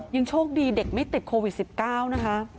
ยังโชคดีเด็กไม่ติดโควิด๑๙นะคะ